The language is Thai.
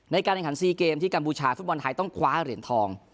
ในการแข่งขันซีเกมที่กัมพูชาฟุตบอลไทยต้องคว้าเหรียญทอง